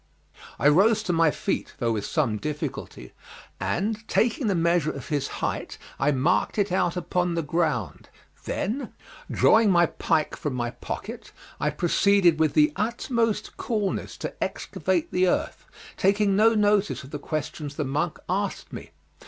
I rose to my feet, though with some difficulty, and taking the measure of his height I marked it out upon the ground, then drawing my pike from my pocket, I proceeded with the utmost coolness to excavate the earth, taking no notice of the questions the monk asked me.